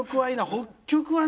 北極はね